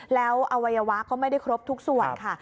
แล้วอวัยวะก็ไม่ได้ครบทุกส่วนค่ะ